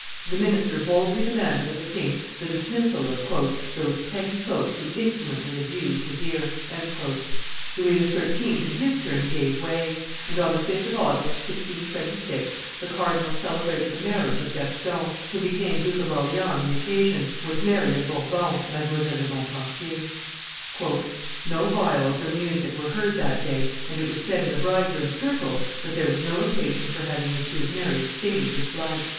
The minister, boldly demanded of the king the dismissal of "those petty folks who insolently abused his ear." Louis XIII., in his turn gave way; and on the 5th of August, 1626, the cardinal celebrated the marriage of Gaston, who became Duke of Orleans on, the occasion, with Mary of Bourbon, Mdlle. de Montpesier. "No viols or music were heard that day and it was said in the bridegroom's circle that there was no occassion for having Monsieur's marriage stained with blood.